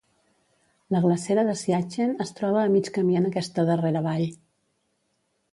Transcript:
La glacera de Siachen es troba a mig camí en aquesta darrera vall.